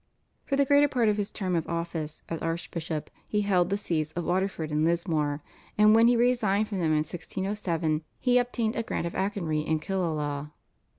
For the greater part of his term of office as archbishop he held the Sees of Waterford and Lismore, and when he resigned them in 1607 he obtained a grant of Achonry and Killala.